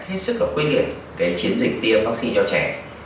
hết sức là quyết liệt cái chiến dịch tiêm vắc xin cho trẻ